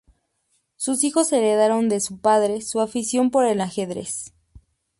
Sus hijos heredaron del su padre su afición por el ajedrez.